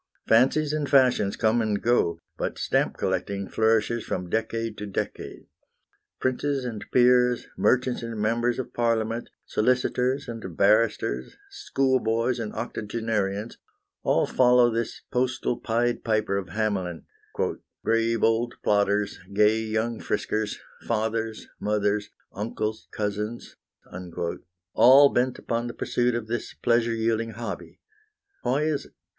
Fancies and fashions come and go, but stamp collecting flourishes from decade to decade. Princes and peers, merchants and members of Parliament, solicitors and barristers, schoolboys and octogenarians, all follow this postal Pied Piper of Hamelin, "Grave old plodders, gay young friskers, Fathers, mothers, uncles, cousins," all bent upon the pursuit of this pleasure yielding hobby. Why is it?